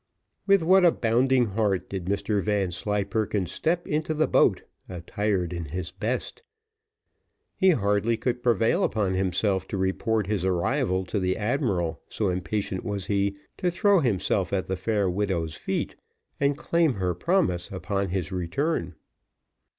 With what a bounding heart did Mr Vanslyperken step into the boat attired in his best! He hardly could prevail upon himself to report his arrival to the admiral, so impatient was he to throw himself at the fair widow's feet, and claim her promise upon his return.